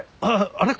あれ？